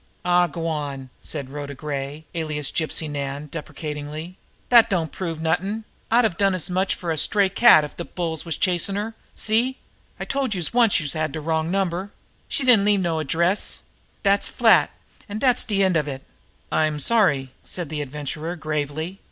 "Aw, go on!" said Rhoda Gray, alias Gypsy Nan, deprecatingly. "Dat don't prove nothin'! I'd have done as much for a stray cat if de bulls was chasm' her. See? I told youse once youse had de wrong number. She didn't leave no address. Dat's flat, an' dat's de end of it." "I'm sorry," said the Adventurer gravely.